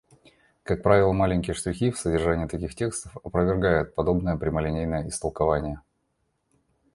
Как правило, маленькие штрихи в содержании таких текстов опровергают подобное прямолинейное истолкование.